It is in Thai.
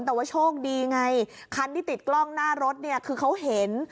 แต่ว่าโชคดีไงคันที่ติดกล้องหน้ารถเนี่ยคือเขาเห็น